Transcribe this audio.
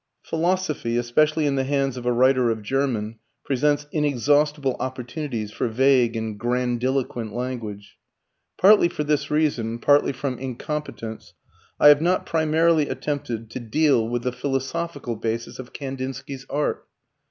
Philosophy, especially in the hands of a writer of German, presents inexhaustible opportunities for vague and grandiloquent language. Partly for this reason, partly from incompetence, I have not primarily attempted to deal with the philosophical basis of Kandinsky's art.